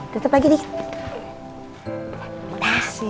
tutup lagi dikit